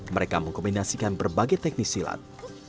mereka mengkombinasikan berbagai teknis silat